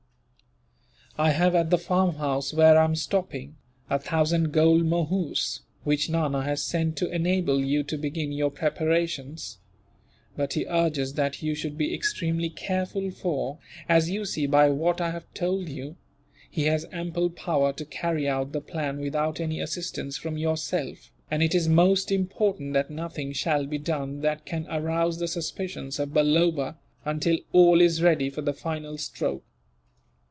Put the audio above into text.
"I have, at the farmhouse where I am stopping, a thousand gold mohurs, which Nana has sent to enable you to begin your preparations; but he urges that you should be extremely careful for, as you see by what I have told you, he has ample power to carry out the plan without any assistance from yourself, and it is most important that nothing shall be done that can arouse the suspicions of Balloba, until all is ready for the final stroke.